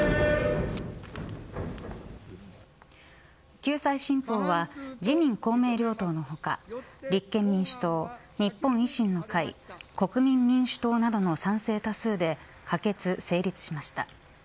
救済新法は自民・公明両党の他立憲民主党、日本維新の会国民民主党などの賛成多数で可決、成立しました。